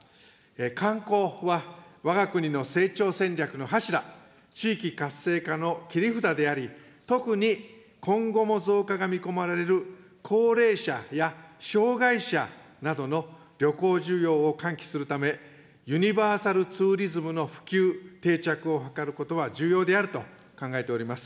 観光はわが国の成長戦略の柱、地域活性化の切り札であり、特に今後も増加が見込まれる、高齢者や障害者などの旅行需要を喚起するため、ユニバーサルツーリズムの普及、定着を図ることは重要であると考えています。